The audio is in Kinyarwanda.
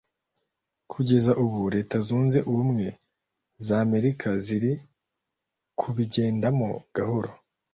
Kugeza ubu Leta Zunze Ubumwe za Amerika ziri kubigendamo gahoro